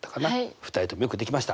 ２人ともよくできました。